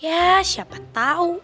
ya siapa tau